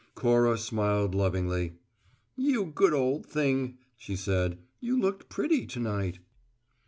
Cora smiled lovingly. "You good old thing," she said. "You looked pretty to night."